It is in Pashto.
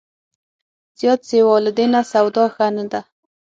زیات سیوا له دې نه، سودا ښه نه ده